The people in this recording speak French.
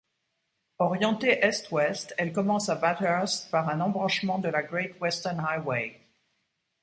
Orienté est-ouest, elle commence à Bathurst par un embranchement de la Great Western Highway.